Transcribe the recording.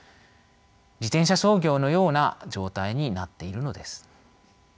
自転車操業のような状態になっているのです。